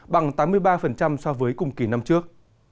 bằng tám mươi ba so với cùng kỳ năm trước